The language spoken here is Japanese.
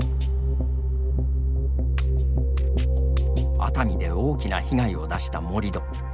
熱海で大きな被害を出した盛り土。